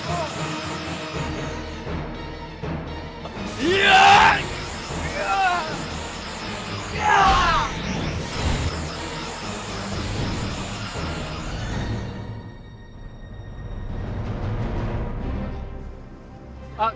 aku berani membela dan mem leadermu sekali